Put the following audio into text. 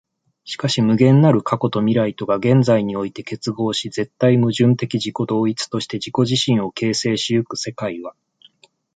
しかし無限なる過去と未来とが現在において結合し、絶対矛盾的自己同一として自己自身を形成し行く世界は、